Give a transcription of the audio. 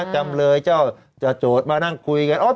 จำเลยเจ้าจะโจทย์มานั่งคุยกัน